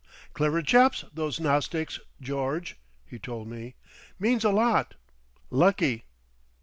"Clever chaps, those Gnostics, George," he told me. "Means a lot. Lucky!"